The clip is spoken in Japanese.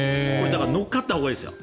だから乗っかったほうがいいですよ。